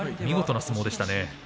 見事な相撲でしたね。